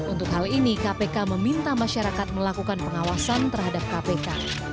untuk hal ini kpk meminta masyarakat melakukan pengawasan terhadap kpk